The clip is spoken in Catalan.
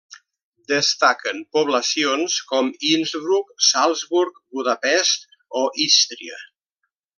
Destaquen poblacions com Innsbruck, Salzburg, Budapest o Ístria.